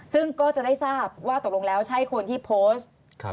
ซึ่งก็จะได้ทราบว่าตกลงแล้วใช่คนที่โพสต์